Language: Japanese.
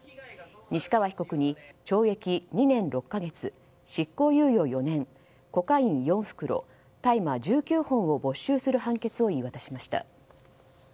西川被告に懲役２年６か月執行猶予４年コカイン４袋大麻１９本を没収する判決を言い渡しました。